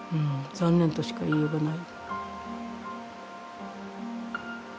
残念としか言いようがない。